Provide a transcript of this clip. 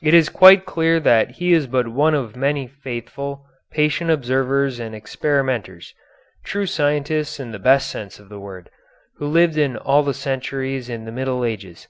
It is quite clear that he is but one of many faithful, patient observers and experimenters true scientists in the best sense of the word who lived in all the centuries of the Middle Ages.